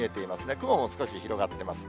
雲も少し広がってます。